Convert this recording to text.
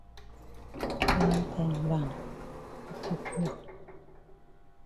Wan time gbam yi tokio.